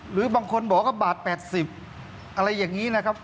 หรือบางคนบอกว่าบาท๘๐อะไรอย่างนี้นะครับ